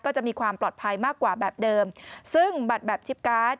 จะมีความปลอดภัยมากกว่าแบบเดิมซึ่งบัตรแบบชิปการ์ด